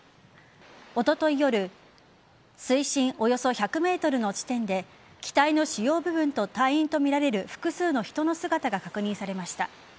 おととい夜水深およそ１００ｍの地点で機体の主要部分と隊員とみられる複数の人の姿が確認されました。